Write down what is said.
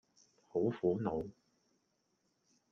好苦惱